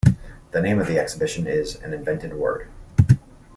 The name of the exhibition is an invented word.